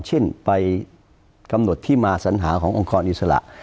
เช่นไปกำหนดที่มาสัญหาขององค์กรอิสระ